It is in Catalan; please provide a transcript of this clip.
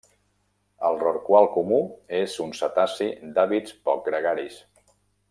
El rorqual comú és un cetaci d'hàbits poc gregaris.